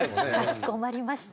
かしこまりました。